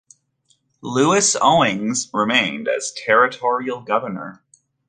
Lewis Owings remained as territorial governor.